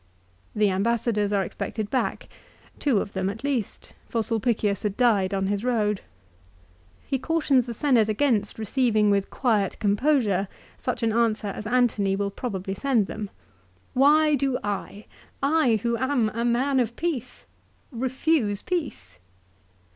The ambassadors are expected back, two of them at least, for Sulpicius had died on his road. He cautions the Senate against receiving with quiet composure such an answer as Antony will probably send them. "Why do I, I who am a man of peace, refuse peace